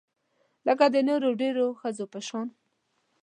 لکه د نورو ډیرو ښځو په شان